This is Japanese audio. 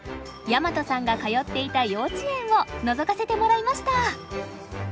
大和さんが通っていた幼稚園をのぞかせてもらいました！